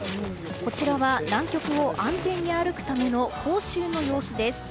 こちらは南極を安全に歩くための講習の様子です。